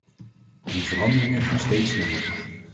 En de veranderingen gaan steeds sneller.